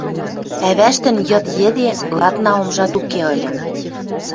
ӓвӓштӹн йыд йӹде ладна омжат уке ыльы.